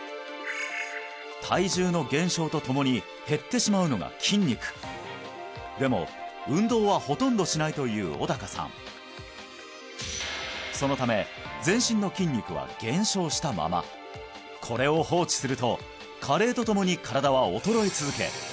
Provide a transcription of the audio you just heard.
体重の減少とともに減ってしまうのが筋肉でも運動はほとんどしないという小高さんそのため全身の筋肉は減少したままこれを放置すると加齢とともに身体は衰え続け